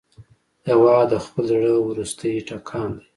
هېواد د خپل زړه وروستی ټکان دی.